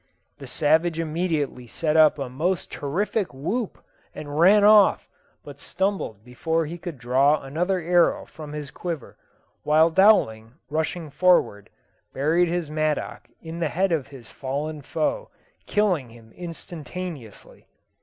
The savage immediately set up a most terrific whoop, and ran off, but stumbled before he could draw another arrow from his quiver, while Dowling, rushing forward, buried his mattock in the head of his fallen foe, killing him instantaneously.